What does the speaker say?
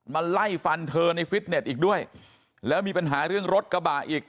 ไล่ฟันเธอในฟิตเน็ตอีกด้วยแล้วมีปัญหาเรื่องรถกระบะอีก